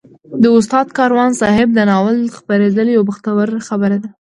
د استاد کاروان صاحب د ناول خپرېدل یو بختور خبر دی.